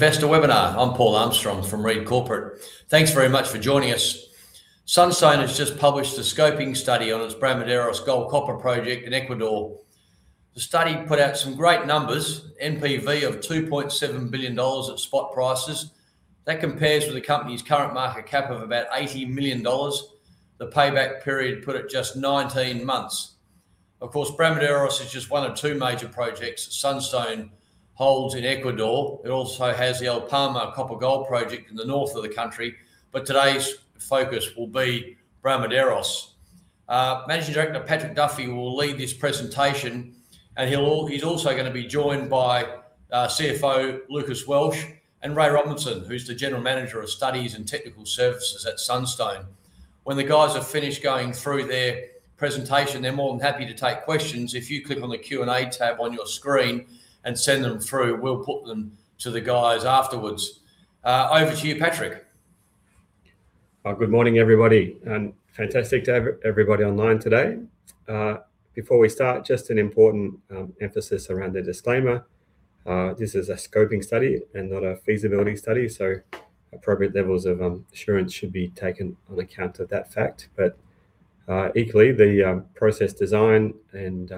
Investor webinar. I'm Paul Armstrong from Read Corporate. Thanks very much for joining us. Sunstone has just published a scoping study on its Bramaderos gold-copper project in Ecuador. The study put out some great numbers, NPV of $2.7 billion at spot prices. That compares with the company's current market cap of about 80 million dollars. The payback period put at just 19 months. Of course, Bramaderos is just one of two major projects Sunstone holds in Ecuador. It also has the El Palmar copper-gold project in the north of the country, but today's focus will be Bramaderos. Managing Director Patrick Duffy will lead this presentation, and he's also going to be joined by CFO Lucas Welsh and Ray Robinson, who's the General Manager of Studies and Technical Services at Sunstone. When the guys are finished going through their presentation, they're more than happy to take questions. If you click on the Q&A tab on your screen and send them through, we'll put them to the guys afterwards. Over to you, Patrick. Good morning, everybody, and fantastic to have everybody online today. Before we start, just an important emphasis around the disclaimer. This is a scoping study and not a feasibility study, so appropriate levels of assurance should be taken on account of that fact. But, equally, the process design and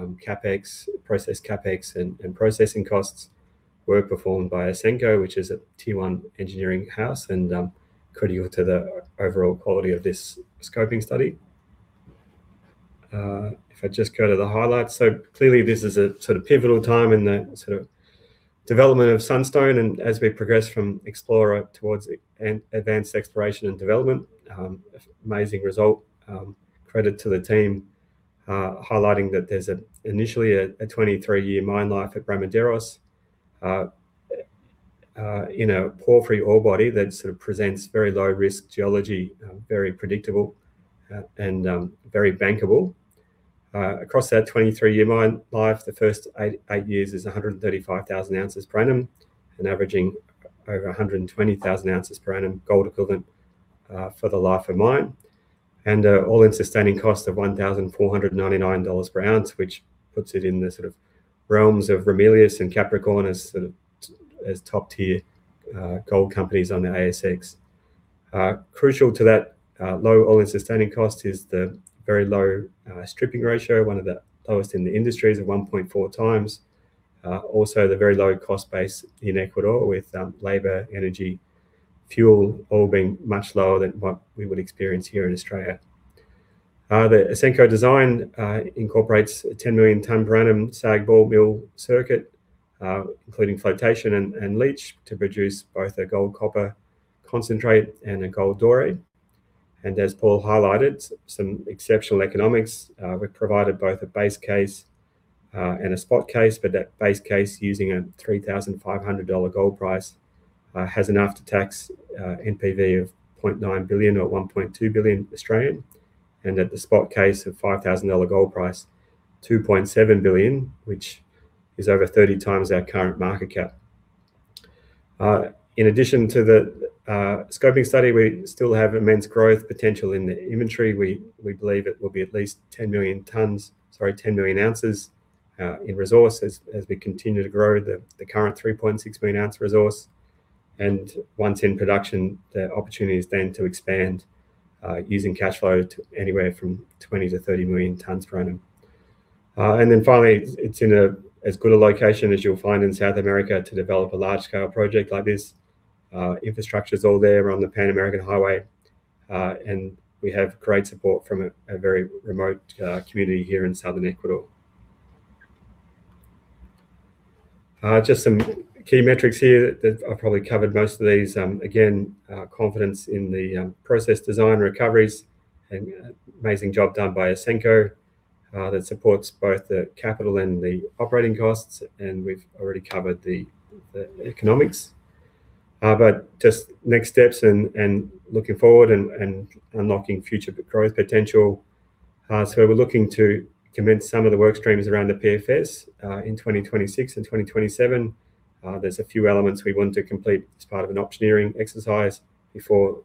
process CapEx, and processing costs were performed by Ausenco, which is a Tier 1 engineering house and critical to the overall quality of this scoping study. If I just go to the highlights. Clearly this is a sort of pivotal time in the sort of development of Sunstone and as we progress from explorer towards advanced exploration and development. Amazing result. Credit to the team, highlighting that there's initially a 23-year mine life at Bramaderos. In a porphyry ore body that sort of presents very low risk geology, very predictable and very bankable. Across that 23-year mine life, the first eight years is 135,000 oz per annum and averaging over 120,000 oz per annum gold equivalent for the life of mine. All-in sustaining costs of $1,499 per ounce, which puts it in the sort of realms of Ramelius and Capricorn as top tier gold companies on the ASX. Crucial to that low all-in sustaining cost is the very low stripping ratio, one of the lowest in the industry is at 1.4x. Also, the very low cost base in Ecuador with labor, energy, fuel, all being much lower than what we would experience here in Australia. The Ausenco design incorporates a 10 million ton per annum SAG ball mill circuit, including flotation and leach to produce both a gold-copper concentrate and a gold doré. As Paul highlighted, some exceptional economics. We've provided both a base case and a spot case, but that base case using a $3,500 gold price, has an after-tax NPV of $0.9 billion or 1.2 billion. At the spot case of $5,000 gold price, 2.7 billion, which is over 30x our current market cap. In addition to the scoping study, we still have immense growth potential in the inventory. We believe it will be at least 10 million ounces in resource as we continue to grow the current 3.6-million-ounce resource. Once in production, the opportunity is then to expand using cash flow to anywhere from 20 million-30 million tons per annum. Then finally, it's in as good a location as you'll find in South America to develop a large-scale project like this. Infrastructure is all there on the Pan American Highway. We have great support from a very remote community here in Southern Ecuador. Just some key metrics here that I've probably covered most of these. Again, confidence in the process design recoveries. An amazing job done by Ausenco, that supports both the capital and the operating costs, and we've already covered the economics. Just next steps and looking forward and unlocking future growth potential. We're looking to commence some of the work streams around the PFS in 2026 and 2027. There's a few elements we want to complete as part of an optioneering exercise before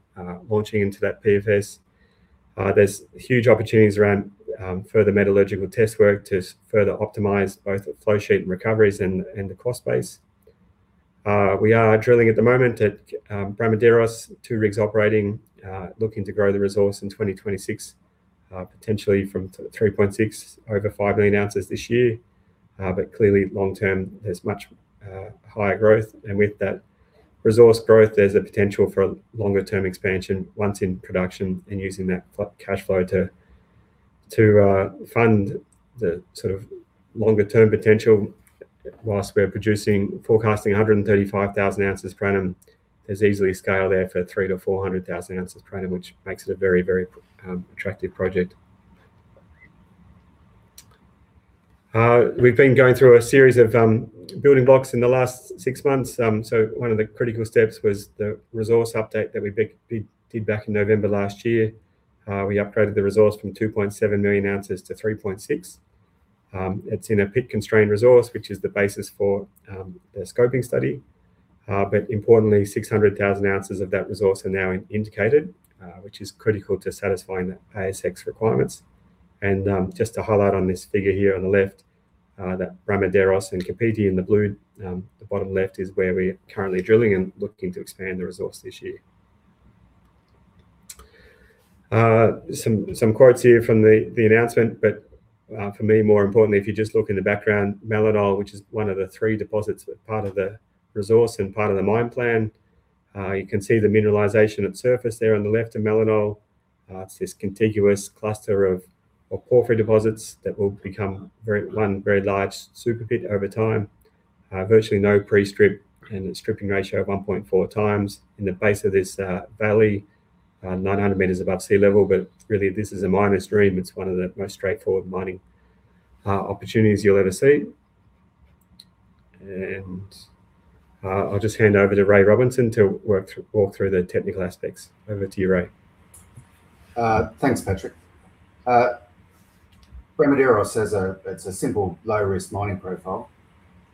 launching into that PFS. There's huge opportunities around further metallurgical test work to further optimize both the flow sheet and recoveries and the cost base. We are drilling at the moment at Bramaderos, two rigs operating, looking to grow the resource in 2026, potentially from 3.6 million ounces over 5 million ounces this year. Clearly long term, there's much higher growth. With that resource growth, there's a potential for longer term expansion once in production and using that cash flow to fund the sort of longer-term potential while we're forecasting 135,000 oz per annum. There's easily scale there for 300,000 oz-400,000 oz per annum, which makes it a very attractive project. We've been going through a series of building blocks in the last six months. One of the critical steps was the resource update that we did back in November last year. We upgraded the resource from 2.7 million ounces to 3.6 million ounces. It's in a pit-constrained resource, which is the basis for the scoping study. Importantly, 600,000 oz of that resource are now indicated, which is critical to satisfying the ASX requirements. Just to highlight on this figure here on the left. That's Bramaderos and Copete in the blue. The bottom left is where we're currently drilling and looking to expand the resource this year. Some quotes here from the announcement, but for me, more importantly, if you just look in the background, Melonal, which is one of the three deposits, part of the resource and part of the mine plan. You can see the mineralization at surface there on the left of Melonal. It's this contiguous cluster of porphyry deposits that will become one very large super pit over time. Virtually no pre-strip and a stripping ratio of 1.4x in the base of this valley, 900 m above sea level. Really, this is a miner's dream. It's one of the most straightforward mining opportunities you'll ever see. I'll just hand over to Ray Robinson to walk through the technical aspects. Over to you, Ray. Thanks, Patrick. Bramaderos, it's a simple low-risk mining profile.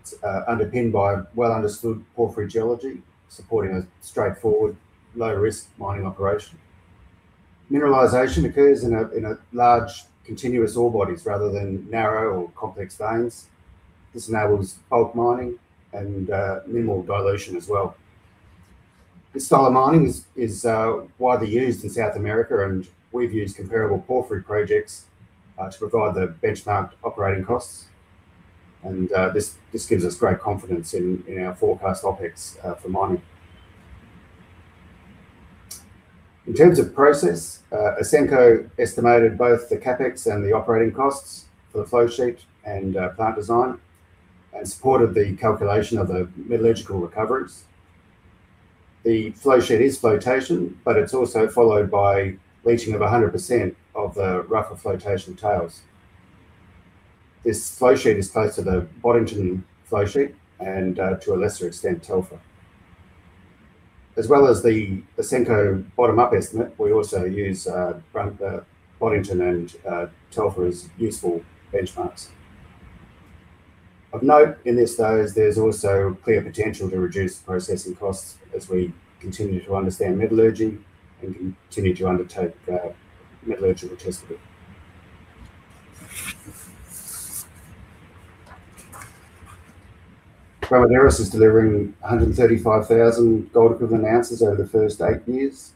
It's underpinned by well-understood porphyry geology, supporting a straightforward low-risk mining operation. Mineralization occurs in large continuous ore bodies rather than narrow or complex veins. This enables bulk mining and minimal dilution as well. This style of mining is widely used in South America, and we've used comparable porphyry projects to provide the benchmark operating costs. This gives us great confidence in our forecast OpEx for mining. In terms of process, Ausenco estimated both the CapEx and the operating costs for the flow sheet and plant design and supported the calculation of the metallurgical recoveries. The flow sheet is flotation, but it's also followed by leaching of 100% of the rougher flotation tails. This flow sheet is close to the Boddington flow sheet and, to a lesser extent, Telfer. As well as the Ausenco bottom-up estimate, we also use Boddington and Telfer as useful benchmarks. Of note in this, though, is there's also clear potential to reduce processing costs as we continue to understand metallurgy and continue to undertake metallurgical testing. Bramaderos is delivering 135,000 gold equivalent ounces over the first eight years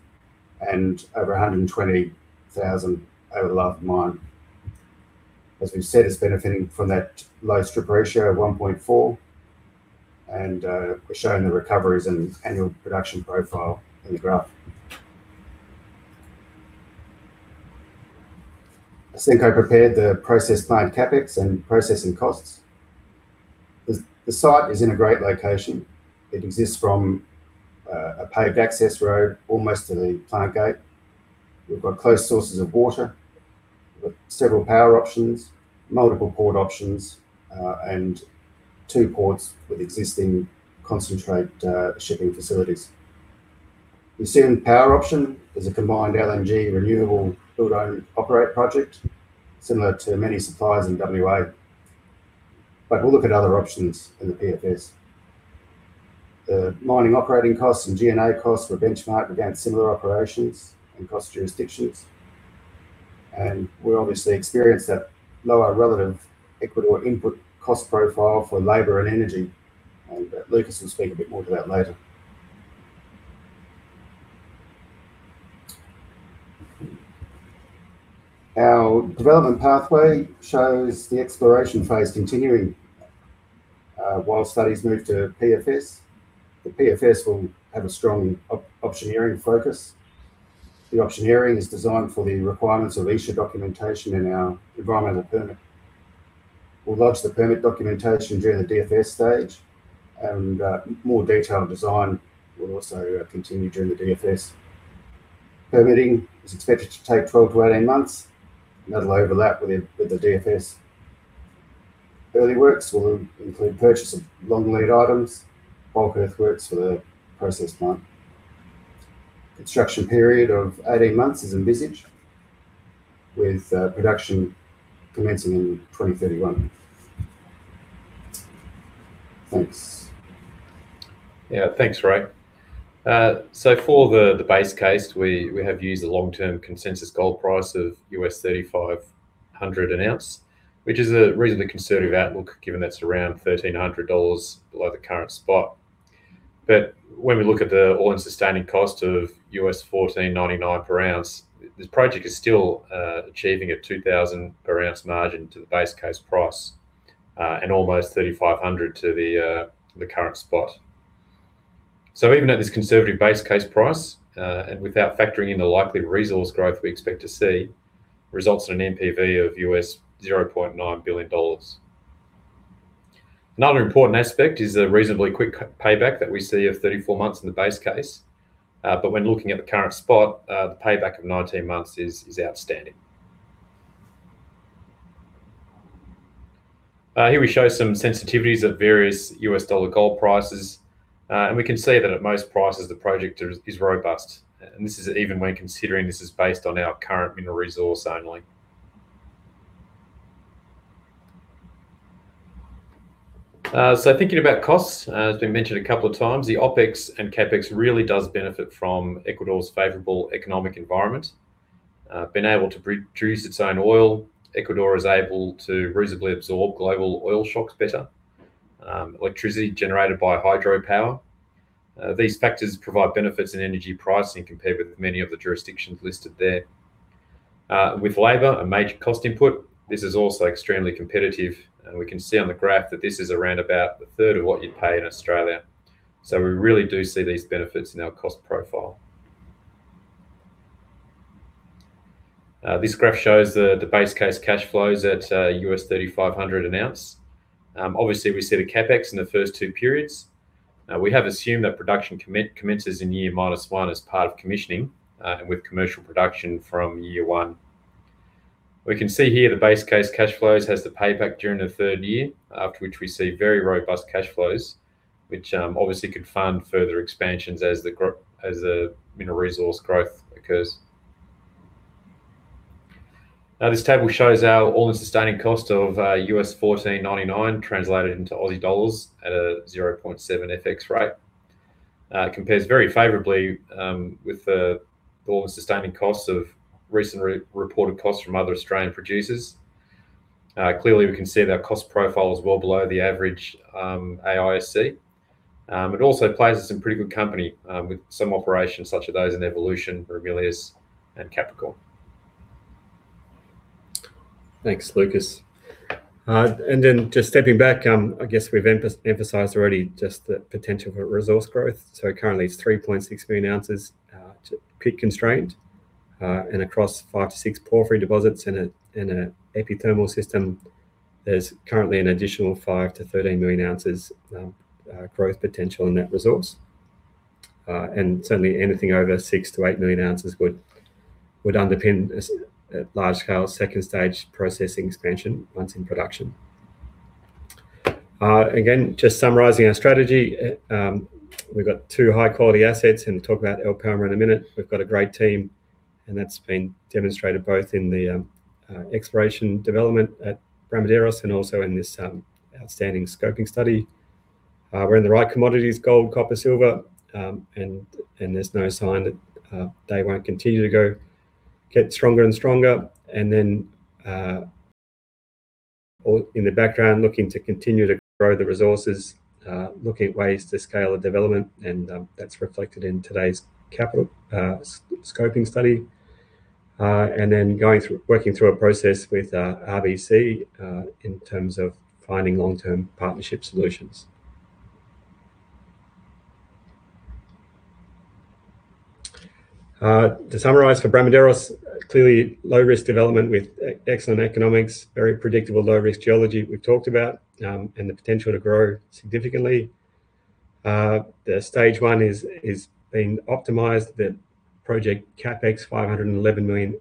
and over 120,000 over the life of mine. As we've said, it's benefiting from that low strip ratio of 1.4x. We're showing the recoveries and annual production profile in the graph. Ausenco prepared the process plant CapEx and processing costs. The site is in a great location. It is accessible from a paved access road almost to the plant gate. We've got close sources of water. We've got several power options, multiple port options, and two ports with existing concentrate shipping facilities. The assumed power option is a combined LNG renewable build-own-operate project, similar to many suppliers in WA. We'll look at other options in the PFS. The mining operating costs and G&A costs were benchmarked against similar operations and cost jurisdictions. We obviously experience that lower relative Ecuador input cost profile for labor and energy, and Lucas will speak a bit more to that later. Our development pathway shows the exploration phase continuing while studies move to PFS. The PFS will have a strong optioneering focus. The optioneering is designed for the requirements of EIA documentation in our environmental permit. We'll lodge the permit documentation during the DFS stage, and more detailed design will also continue during the DFS. Permitting is expected to take 12-18 months, and that'll overlap with the DFS. Early works will include purchase of long lead items, bulk earthworks for the process plant. Construction period of 18 months is envisaged, with production commencing in 2031. Thanks. Yeah. Thanks, Ray. For the base case, we have used a long-term consensus gold price of $3,500 an ounce, which is a reasonably conservative outlook given that's around $1,300 below the current spot. When we look at the all-in sustaining cost of $1,499 per ounce, this project is still achieving a $2,000 per ounce margin to the base case price and almost $3,500 to the current spot. Even at this conservative base case price, and without factoring in the likely resource growth we expect to see, results in an NPV of $0.9 billion. Another important aspect is the reasonably quick payback that we see of 34 months in the base case. When looking at the current spot, the payback of 19 months is outstanding. Here we show some sensitivities at various U.S. dollar gold prices. We can see that at most prices, the project is robust. This is even when considering this is based on our current mineral resource only. Thinking about costs, as we mentioned a couple of times, the OpEx and CapEx really does benefit from Ecuador's favorable economic environment. Being able to produce its own oil, Ecuador is able to reasonably absorb global oil shocks better. Electricity generated by hydropower. These factors provide benefits in energy pricing compared with many of the jurisdictions listed there. With labor, a major cost input, this is also extremely competitive. We can see on the graph that this is around about a third of what you'd pay in Australia. We really do see these benefits in our cost profile. This graph shows the base case cash flows at $3,500 an ounce. Obviously, we see the CapEx in the first two periods. We have assumed that production commences in year minus one as part of commissioning, and with commercial production from year one. We can see here the base case cash flows has the payback during the third year, after which we see very robust cash flows, which obviously could fund further expansions as the mineral resource growth occurs. Now this table shows our all-in sustaining cost of $1,499 translated into Aussie dollars at a 0.7 FX rate. It compares very favorably with the all-in sustaining costs of recent reported costs from other Australian producers. Clearly, we can see that our cost profile is well below the average AISC. It also places us in pretty good company with some operations such as those in Evolution, Ramelius, and Capricorn. Thanks, Lucas. Just stepping back, I guess we've emphasized already just the potential for resource growth. It currently is 3.6 million ounces to pit constraint, and across five, six porphyry deposits in an epithermal system, there's currently an additional 5 million ounces-13 million ounces growth potential in that resource. Certainly, anything over 6 million ounces-8 million ounces would underpin a large-scale, second-stage processing expansion once in production. Again, just summarizing our strategy. We've got two high-quality assets, and we'll talk about El Palmar in a minute. We've got a great team, and that's been demonstrated both in the exploration development at Bramaderos and also in this outstanding scoping study. We're in the right commodities, gold, copper, silver, and there's no sign that they won't continue to get stronger and stronger. In the background, looking to continue to grow the resources, looking at ways to scale the development. That's reflected in today's capital scoping study. Working through a process with RBC in terms of finding long-term partnership solutions. To summarize for Bramaderos, clearly low-risk development with excellent economics, very predictable low-risk geology we've talked about, and the potential to grow significantly. The stage one is being optimized. The project CapEx, $511 million,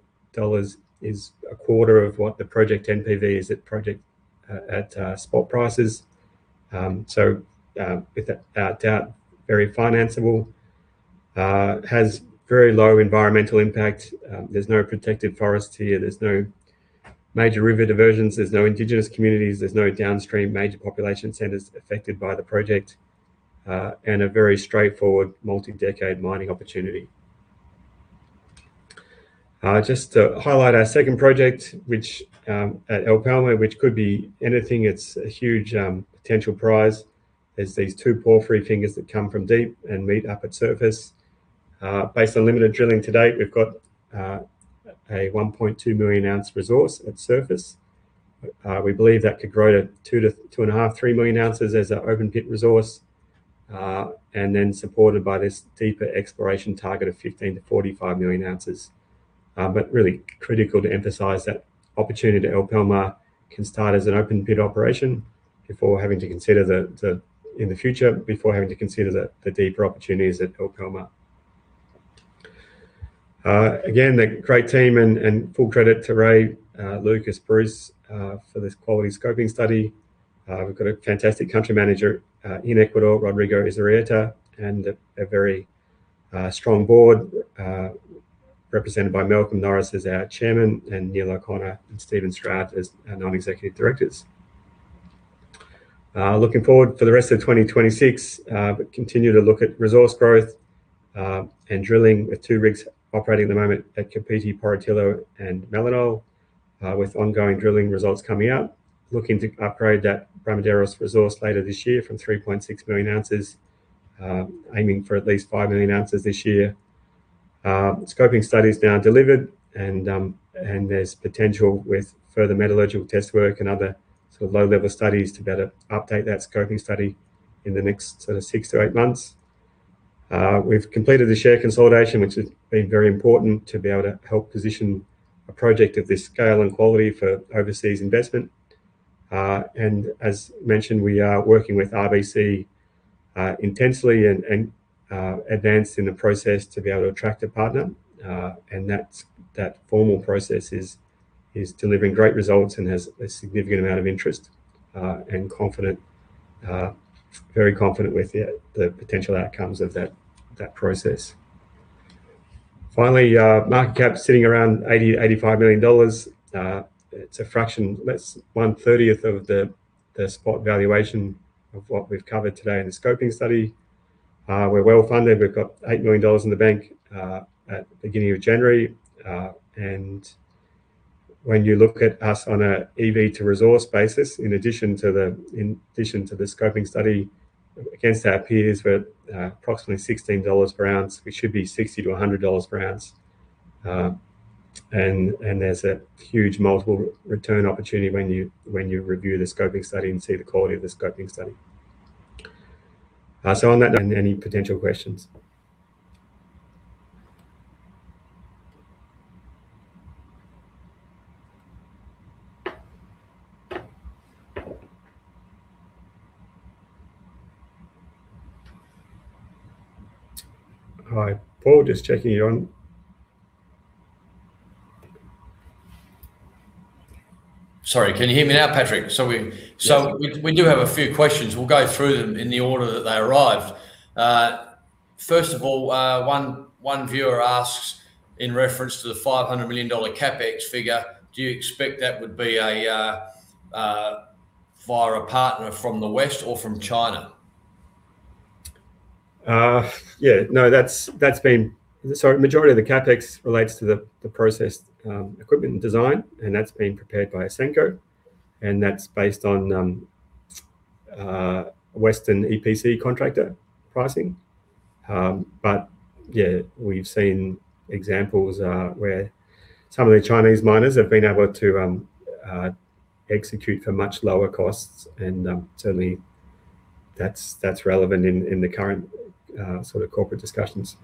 is a quarter of what the project NPV is at spot prices. Without doubt, very financeable. Has very low environmental impact. There's no protected forests here. There's no major river diversions. There's no indigenous communities. There's no downstream major population centers affected by the project. A very straightforward multi-decade mining opportunity. Just to highlight our second project at El Palmar, which could be anything. It's a huge potential prize. There's these two porphyry fingers that come from deep and meet up at surface. Based on limited drilling to date, we've got a 1.2 million ounce resource at surface. We believe that could grow to 2.5 million ounces-3 million ounces as our open pit resource, and then supported by this deeper exploration target of 15 million ounces-45 million ounces. Really critical to emphasize that opportunity at El Palmar can start as an open pit operation in the future, before having to consider the deeper opportunities at El Palmar. Again, the great team and full credit to Ray, Lucas, Bruce, for this quality scoping study. We've got a fantastic country manager in Ecuador, Rodrigo Izurieta, and a very strong board represented by Malcolm Norris as our Chairman, and Neal O'Connor and Stephen Stroud as our Non-Executive Directors. Looking forward for the rest of 2026, we continue to look at resource growth, and drilling with two rigs operating at the moment at Copete-Porotillo, and Melonal, with ongoing drilling results coming out. Looking to upgrade that Bramaderos resource later this year from 3.6 million ounces, aiming for at least 5 million ounces this year. Scoping study's now delivered and there's potential with further metallurgical test work and other low-level studies to better update that scoping study in the next six to eight months. We've completed the share consolidation, which has been very important to be able to help position a project of this scale and quality for overseas investment. As mentioned, we are working with RBC intensely and advancing the process to be able to attract a partner. That formal process is delivering great results and has a significant amount of interest, and we're very confident with the potential outcomes of that process. Finally, market cap sitting around 80-85 million dollars. It's a fraction, less one-thirtieth of the spot valuation of what we've covered today in the scoping study. We're well-funded. We've got 8 million dollars in the bank at beginning of January. When you look at us on a EV to resource basis, in addition to the scoping study against our peers, we're approximately $16 per ounce. We should be $60-$100 per ounce. There's a huge multiple return opportunity when you review the scoping study and see the quality of the scoping study. On that note, any potential questions? Hi, Paul, just checking you're on. Sorry, can you hear me now, Patrick? We do have a few questions. We'll go through them in the order that they arrived. First of all, one viewer asks in reference to the $500 million CapEx figure, do you expect that would be via a partner from the West or from China? Yeah, no. Sorry, majority of the CapEx relates to the process, equipment, and design, and that's being prepared by Ausenco, and that's based on Western EPC contractor pricing. Yeah, we've seen examples where some of the Chinese miners have been able to execute for much lower costs, and certainly that's relevant in the current sort of corporate discussions.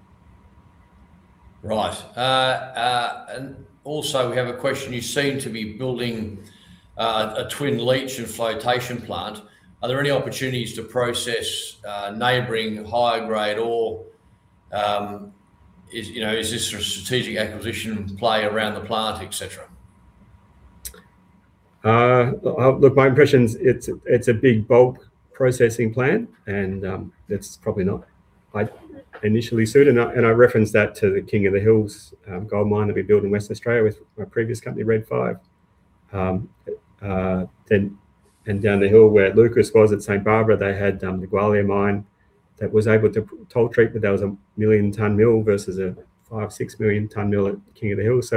Right. We have a question. You seem to be building a twin leach and flotation plant. Are there any opportunities to process neighboring higher grade ore? Is this a strategic acquisition play around the plant, et cetera? Look, my impression is it's a big bulk processing plant, and that's probably not initially suited. I reference that to the King of the Hills goldmine that we built in Western Australia with my previous company, Red 5, down the hill where Lucas was at St Barbara, they had the Gwalia mine that was able to toll treatment. That was a 1 million ton mill versus a 5 million-6 million ton mill at King of the Hills.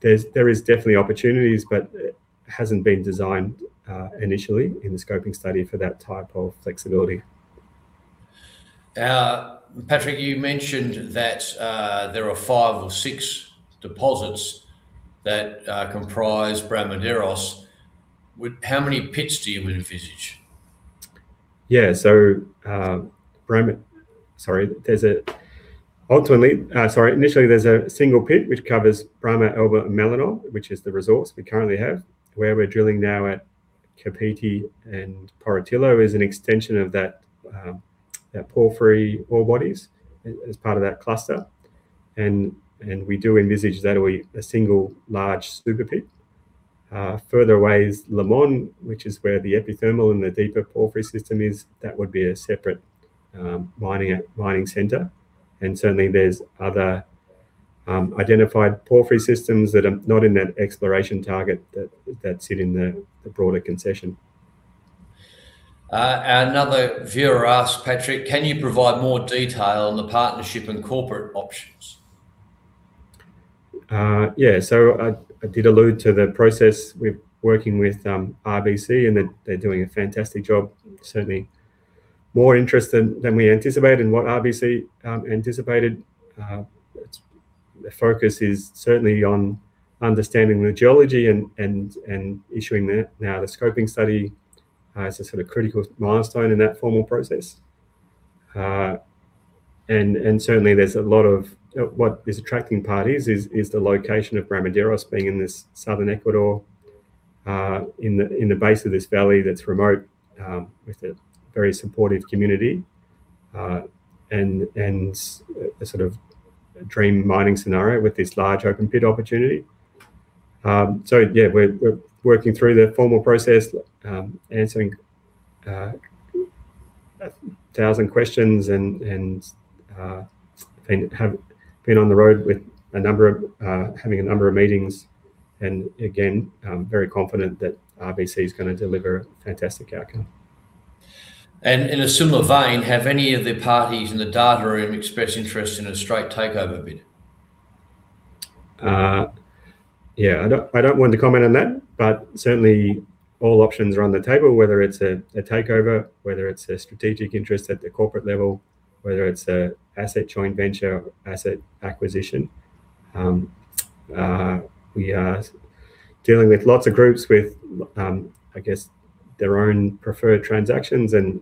There is definitely opportunities, but it hasn't been designed initially in the scoping study for that type of flexibility. Patrick, you mentioned that there are five or six deposits that comprise Bramaderos. How many pits do you envisage? Yeah. Sorry. Initially, there's a single pit which covers Brama, Alba, and Melonal, which is the resource we currently have. Where we're drilling now at Copete-Porotillo is an extension of that porphyry ore bodies as part of that cluster, and we do envisage that'll be a single large super pit. Further away is Limon, which is where the epithermal and the deeper porphyry system is. That would be a separate mining center. Certainly, there's other identified porphyry systems that are not in that exploration target that sit in the broader concession. Another viewer asked, Patrick, can you provide more detail on the partnership and corporate options? Yeah. I did allude to the process. We're working with RBC, and they're doing a fantastic job. Certainly more interest than we anticipated and what RBC anticipated. The focus is certainly on understanding the geology and issuing now the scoping study as a sort of critical milestone in that formal process. Certainly, what is attracting parties is the location of Bramaderos being in this Southern Ecuador, in the base of this valley that's remote, with a very supportive community, and a sort of dream mining scenario with this large open pit opportunity. Yeah, we're working through the formal process, answering a thousand questions and have been on the road having a number of meetings. Again, I'm very confident that RBC is going to deliver a fantastic outcome. In a similar vein, have any of the parties in the data room expressed interest in a straight takeover bid? Yeah. I don't want to comment on that. Certainly, all options are on the table, whether it's a takeover, whether it's a strategic interest at the corporate level, whether it's an asset joint venture or asset acquisition. We are dealing with lots of groups with, I guess, their own preferred transactions and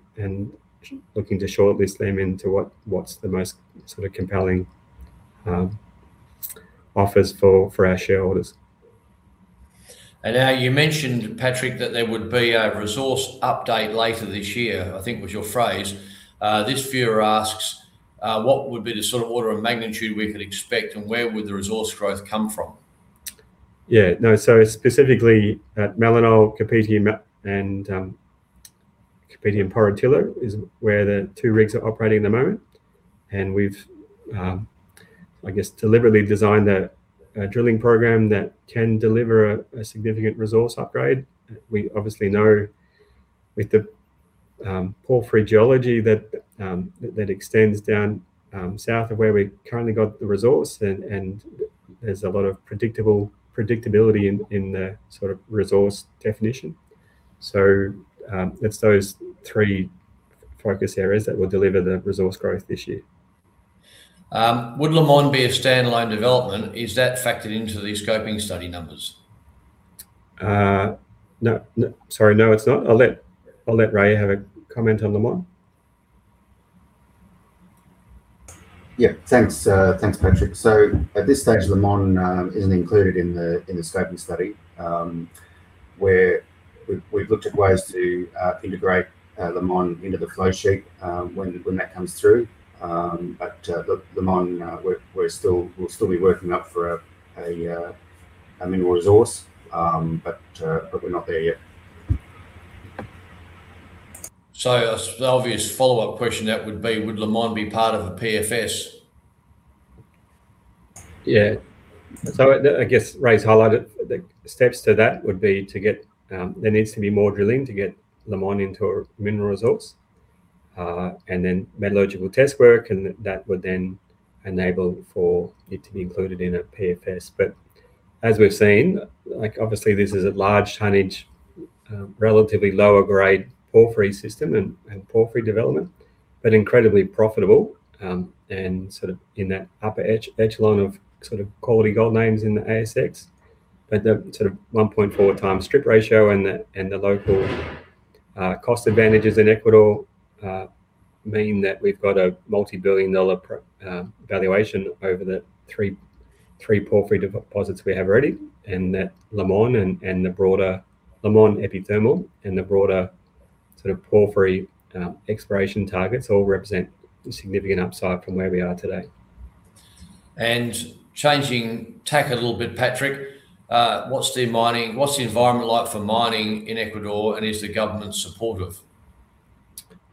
looking to shortlist them into what's the most sort of compelling offers for our shareholders. Now you mentioned, Patrick, that there would be a resource update later this year, I think was your phrase. This viewer asks, what would be the sort of order of magnitude we could expect and where would the resource growth come from? Yeah, no. Specifically at Melonal, Copete, and Porotillo is where the two rigs are operating at the moment, and we've deliberately designed a drilling program that can deliver a significant resource upgrade. We obviously know with the porphyry geology that extends down south of where we've currently got the resource, and there's a lot of predictability in the resource definition. It's those three focus areas that will deliver the resource growth this year. Would Limon be a standalone development? Is that factored into the scoping study numbers? No. Sorry. No, it's not. I'll let Ray have a comment on Limon. Yeah. Thanks, Patrick. At this stage, Limon isn't included in the scoping study. We've looked at ways to integrate Limon into the flow sheet when that comes through. Limon, we'll still be working up for a mineral resource, but we're not there yet. The obvious follow-up question then would be, would Limon be part of a PFS? Yeah. I guess Ray's highlighted the steps to that would be there needs to be more drilling to get Limon into a mineral resource. Then metallurgical test work, and that would then enable for it to be included in a PFS. As we've seen, obviously this is a large tonnage, relatively lower grade porphyry system and porphyry development, but incredibly profitable. Sort of in that upper echelon of quality gold names in the ASX. The sort of 1.4x strip ratio and the local cost advantages in Ecuador mean that we've got a multi-billion dollar valuation over the three porphyry deposits we have already, and that Limon and the broader Limon epithermal and the broader porphyry exploration targets all represent significant upside from where we are today. Changing tack a little bit, Patrick, what's the environment like for mining in Ecuador, and is the government supportive?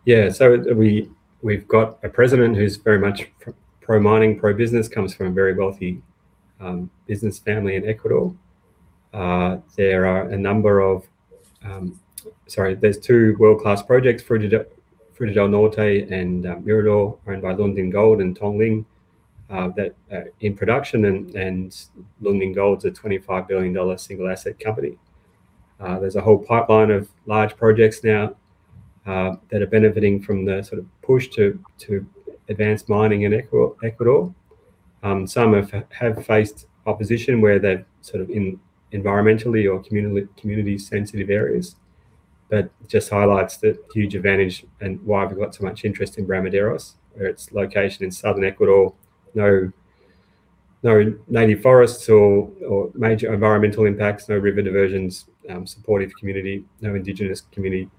Yeah. We've got a president who's very much pro-mining, pro-business, comes from a very wealthy business family in Ecuador. There are two world-class projects, Fruta del Norte and Mirador, run by Lundin Gold and Tongling, that are in production, and Lundin Gold's a $25 billion single asset company. There's a whole pipeline of large projects now that are benefiting from the push to advance mining in Ecuador. Some have faced opposition where they're in environmentally or community sensitive areas. It just highlights the huge advantage and why we've got so much interest in Bramaderos. Its location in Southern Ecuador, no native forests or major environmental impacts, no river diversions, supportive community, no indigenous community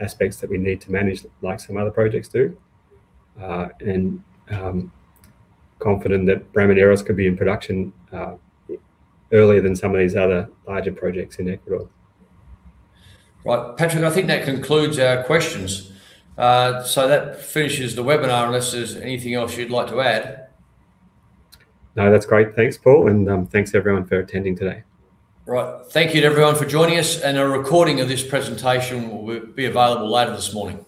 aspects that we need to manage, like some other projects do. Confident that Bramaderos could be in production earlier than some of these other larger projects in Ecuador. Right. Patrick, I think that concludes our questions. That finishes the webinar, unless there's anything else you'd like to add. No, that's great. Thanks, Paul, and thanks everyone for attending today. Right. Thank you to everyone for joining us, and a recording of this presentation will be available later this morning.